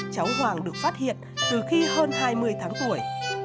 cháu hoàng được phát hiện từ khi hơn hai mươi tháng tuổi